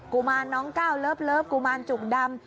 กุมารน้องเกล้าเลิฟเลิฟกุมารจุ่งดำ